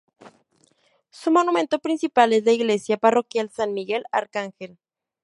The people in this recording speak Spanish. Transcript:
Su monumento principal es la Iglesia Parroquial San Miguel Arcángel.